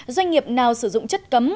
doanh nghiệp nào sử dụng chất cấm